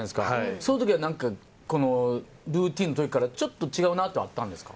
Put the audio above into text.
その時はルーティンというか、ちょっと違うなってあったんですか？